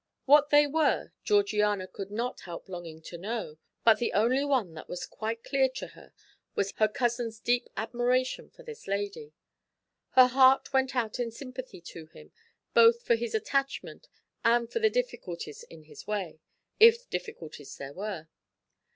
What they were, Georgiana could not help longing to know, but the only one that was quite clear to her was her cousin's deep admiration for this lady. Her heart went out in sympathy to him, both for his attachment and for the difficulties in his way, if difficulties there were.